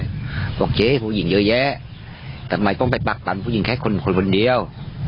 ผมเขาบอกเจ๊ผู้หญิงเยอะแยะทำไมต้องปรักปรรรติผู้หญิงค่ะคนเดียว